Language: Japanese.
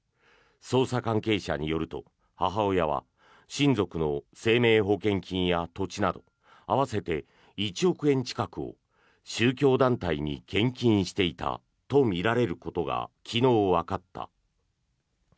捜査関係者によると、母親は親族の生命保険金や土地など合わせて１億円近くを宗教団体に献金していたとみられることが昨日、わかった。